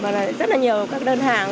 rất là nhiều các đơn hàng